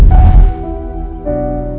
gue gak mau